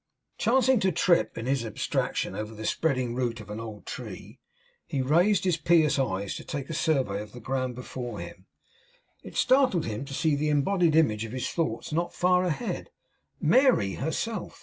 Chancing to trip, in his abstraction, over the spreading root of an old tree, he raised his pious eyes to take a survey of the ground before him. It startled him to see the embodied image of his thoughts not far ahead. Mary herself.